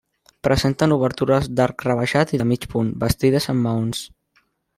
Presenten obertures d'arc rebaixat i de mig punt, bastides amb maons.